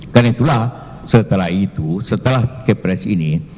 karena itulah setelah itu setelah kepres ini